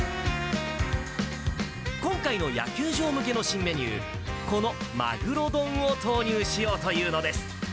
今回の野球場向けの新メニュー、このマグロ丼を投入しようというのです。